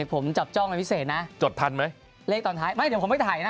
ผมจับจ้องเป็นพิเศษนะจดทันไหมเลขตอนท้ายไม่เดี๋ยวผมไปถ่ายนะ